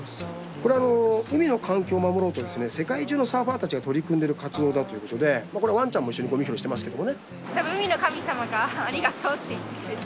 これ海の環境を守ろうと世界中のサーファーたちが取り組んでる活動だということでこれワンちゃんも一緒にごみ拾いしてますけどもね。